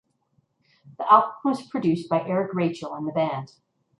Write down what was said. The album was produced by Eric Rachel and the band.